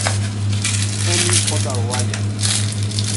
M. J. Ryan.